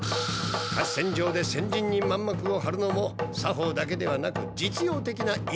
合戦場で戦陣にまん幕をはるのも作法だけではなく実用的な意味があるのだ。